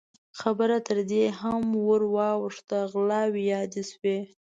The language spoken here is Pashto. خبره تر دې هم ور واوښته، غلاوې يادې شوې.